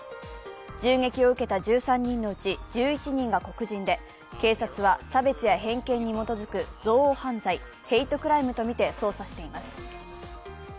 銃撃を受けた１３人のうち１１人が黒人で警察は差別や偏見に基づく憎悪犯罪＝ヘイトクライムとみて捜査しています。